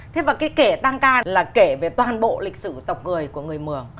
thế và cái kể tang ca là kể về toàn bộ lịch sử tộc người của người mường